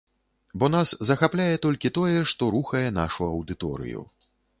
Бо нас захапляе толькі тое, што рухае нашу аўдыторыю.